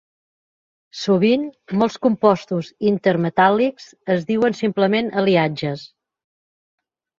Sovint, molts compostos intermetàl·lics es diuen simplement aliatges.